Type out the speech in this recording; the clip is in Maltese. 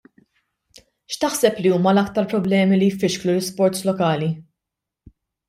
X'taħseb li huma l-aktar problemi li jfixklu l-isports lokali?